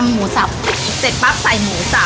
ัมมทรีย์